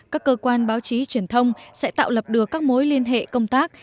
các cơ quan báo chí truyền thông sẽ tạo lập được các mối liên hệ công tác